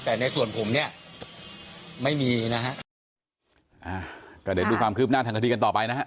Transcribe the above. แต่ในส่วนผมเนี่ยไม่มีนะฮะอ่าก็เดี๋ยวดูความคืบหน้าทางคดีกันต่อไปนะฮะ